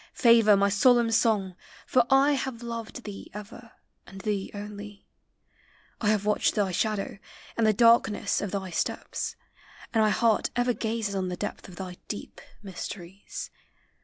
Favor my solemn song, for I have loved Thee ever, and thee only ; I have watched Thy shadow, and the darkness of tlry steps, And my heart ever gazes on the depth Of thy deep mysteries.